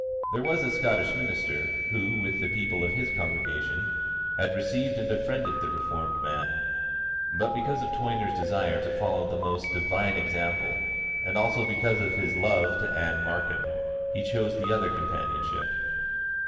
There was a Scotch minister who, with the people of his congregation, had received and befriended the reformed man; but because of Toyner's desire to follow the most divine example, and also because of his love to Ann Markham, he chose the other companionship.